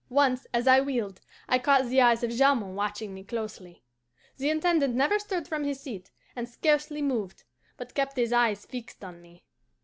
Once, as I wheeled, I caught the eyes of Jamond watching me closely. The Intendant never stirred from his seat, and scarcely moved, but kept his eyes fixed on me.